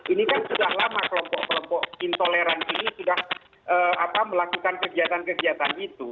ini kan sudah lama kelompok kelompok intoleran ini sudah melakukan kegiatan kegiatan itu